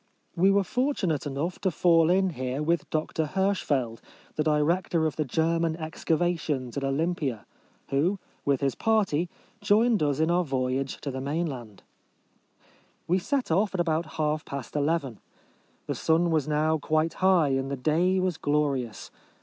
[May We were fortunate enough to fall in here with Dr Hirschfeld, the di rector of the German excavations at Olympia, who, with his party, joined us in our voyage to the mainland. Wo set off at about half past eleven. The sun was now quite high, and the day was glorious.